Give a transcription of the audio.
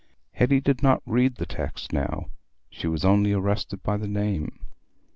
Hetty did not read the text now: she was only arrested by the name.